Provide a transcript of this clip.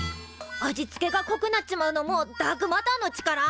味付けがこくなっちまうのもダークマターの力？